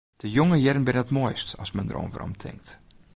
De jonge jierren binne op it moaist as men deroan weromtinkt.